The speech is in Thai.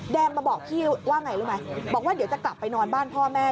มาบอกพี่ว่าไงรู้ไหมบอกว่าเดี๋ยวจะกลับไปนอนบ้านพ่อแม่